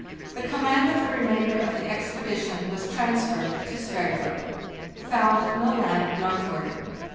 The command of the remainder of the expedition was trans ferred to Sverdrup. Found no land northward.